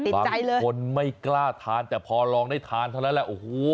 บางคนไม่กล้าทานแต่พอลองได้ทานเท่านั้นแหละโอ้โห